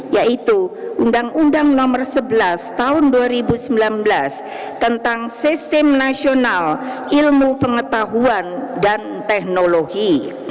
yaitu undang undang nomor sebelas tahun dua ribu sembilan belas tentang sistem nasional ilmu pengetahuan dan teknologi